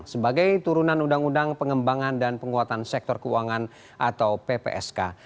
sebagai turunan undang undang pengembangan dan penguatan sektor keuangan atau ppsk